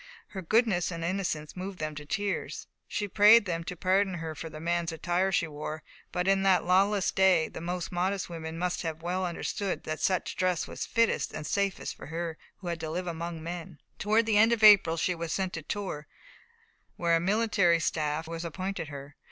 Her goodness and innocence moved them to tears. She prayed them to pardon her for the man's attire she wore; but in that lawless day the most modest women must have well understood that such a dress was fittest and safest for her who had to live among men. Towards the end of April she was sent to Tours, where a military staff was appointed her.